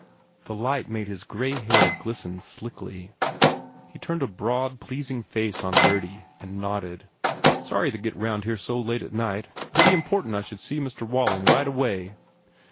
The light made his grey hair glisten slickly. He turned a broad, pleasing face on Gurdy and nodded. "Sorry to get round here so late at night. Pretty important I should see Mr. Walling right away."